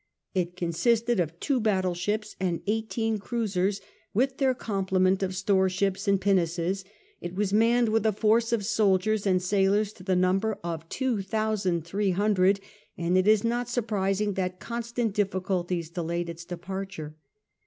It consisted of two battle ships and eighteen cruisers, with their complement of store ships and pinnaces; it was manned with a force of soldiers and sailors to the nimiber of two thousand three hundred, and it is not surprising that constant difliculties delayed its departure.